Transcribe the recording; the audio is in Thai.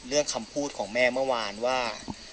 เรื่องคำพูดของแม่เมื่อวานว่า